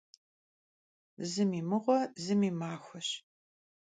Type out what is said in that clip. Zım yi mığue, zım yi maxueş.